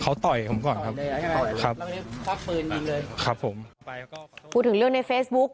เขาต่อยผมก่อนครับครับครับผมพูดถึงเรื่องในเฟซบุ๊ค